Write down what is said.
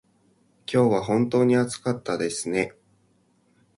今日は本当に暑かったですね。